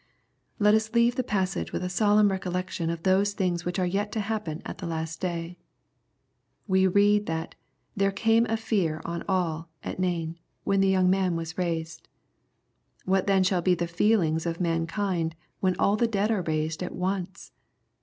Let us leave the passage with a solemn recollection of those things which are yet to happen at the last day. We read that " there came a fear on all," at Nain. when the young man was raised. What then shall be the feelings of mankind when all the dead are raised at once